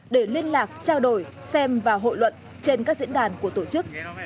để liên lạc trao đổi xem và hội luận trên các diễn đàn của tổ chức